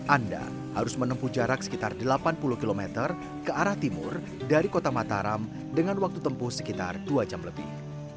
anda harus menempuh jarak sekitar delapan puluh km ke arah timur dari kota mataram dengan waktu tempuh sekitar dua jam lebih